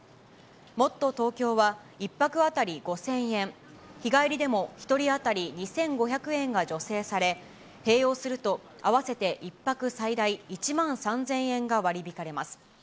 もっとＴｏｋｙｏは、１泊当たり５０００円、日帰りでも１人当たり２５００円が助成され、併用すると合わせて１泊最大１万３０００円が割り引かれます。